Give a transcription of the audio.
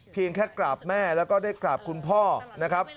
เพียงแค่กราบแม่แล้วก็ได้กราบคุณพ่อนะครับ